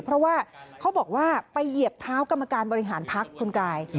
เพราะว่าเขาบอกว่าไปเหยียบเท้ากรรมการบริหารพักคุณกาย